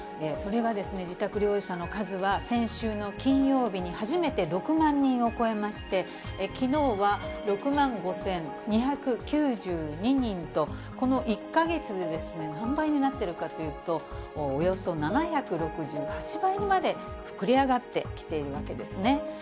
それがですね、自宅療養者の数は、先週の金曜日に、初めて６万人を超えまして、きのうは６万５２９２人と、この１か月で何倍になってるかというと、およそ７６８倍にまで膨れ上がってきているわけですね。